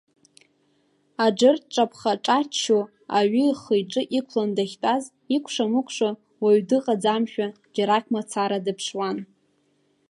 Аџыр, дҿаԥха-ҿаччо, аҩы ихы-иҿы иқәлан дахьтәаз, икәша-мыкәша уаҩ дыҟаӡамшәа, џьарак мацара дыԥшуан.